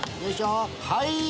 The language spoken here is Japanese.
はい！